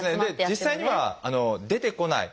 実際には出てこない